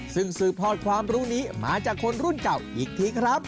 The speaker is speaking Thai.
ซึ่งสืบทอดความรู้นี้มาจากคนรุ่นเก่าอีกทีครับ